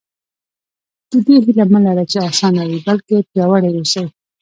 د دې هیله مه لره چې اسانه وي بلکې پیاوړي اوسئ.